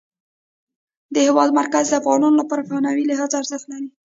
د هېواد مرکز د افغانانو لپاره په معنوي لحاظ ارزښت لري.